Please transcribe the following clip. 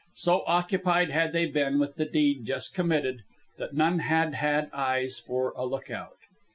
So occupied had they been with the deed just committed, that none had had eyes for a lookout.